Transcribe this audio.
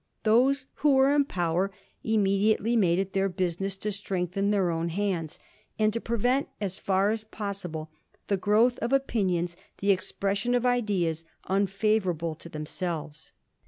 Those who were in power immediately made it their business to strengthen their own hands, and to prevent, as far as possible, the growth of opinions, the expression of ideas, unfavom'able to themselves.